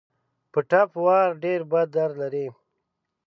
په ټپ وار ډېر بد درد لري.